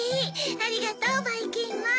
ありがとうばいきんまん！